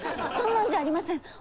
そんなんじゃありません！